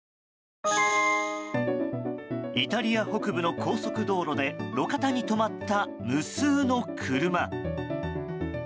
イタリア北部の高速道路で路肩に止まった無数の車。